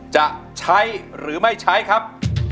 จะใช้หรือไม่ใช้ครับ